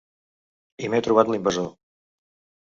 I m’he trobat l’invasor.